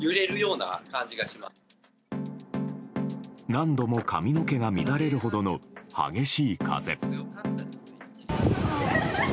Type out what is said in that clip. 何度も髪の毛が乱れるほどの激しい風。